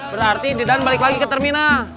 berarti didan balik lagi ke terminal